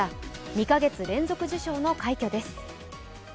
２か月連続受賞の快挙です。